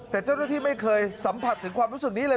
แต่เจ้าหน้าที่ไม่เคยสัมผัสถึงความรู้สึกนี้เลย